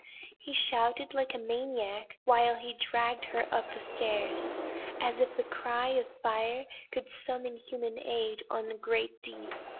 he shouted, like a maniac, while he dragged her up the stairs as if the cry of Fire could summon human aid on the great deep.